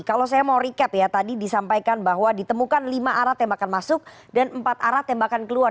kalau saya mau recap ya tadi disampaikan bahwa ditemukan lima arah tembakan masuk dan empat arah tembakan keluar